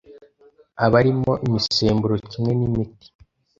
aba arimo imisemburo kimwe n’imiti